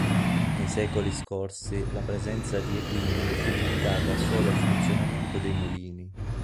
Nei secoli scorsi la presenza di equini fu limitata solo al funzionamento dei mulini.